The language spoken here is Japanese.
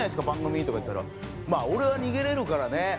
番組」とか言ったら「まあ俺は逃げれるからね。